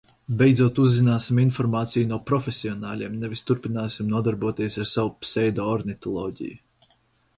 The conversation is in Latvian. Beidzot uzzināsim informāciju no profesionāļiem, nevis turpināsim nodarboties ar savu pseido ornitoloģiju.